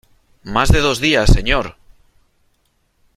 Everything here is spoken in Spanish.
¡ más de dos días , señor !